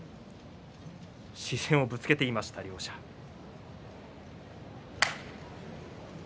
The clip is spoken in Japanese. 視線をぶつけていました両者です。